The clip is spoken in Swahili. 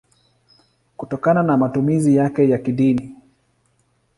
kutokana na matumizi yake ya kidini.